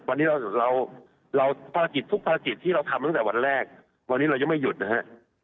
วันนี้พลักษณ์ที่เราทำตั้งแต่วันแรกวันนี้เรายังไม่หยุดนะครับ